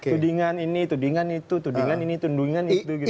tudingan ini tudingan itu tudingan ini tudingan itu gitu